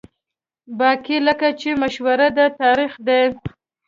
باقي لکه چې مشهوره ده، تاریخ دی.